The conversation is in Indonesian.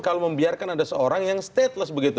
kalau membiarkan ada seorang yang stateless begitu